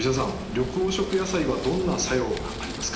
緑黄色野菜はどんな作用がありますか？